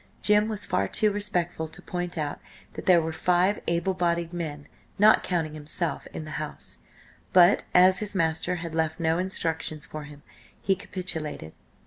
Jim was far too respectful to point out that there were five able bodied men, not counting himself, in the house, but as his master had left no instructions for him, he capitulated.